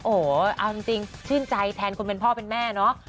โอ้โหเอาจริงชื่นใจแทนคนเป็นพ่อเป็นแม่เนาะ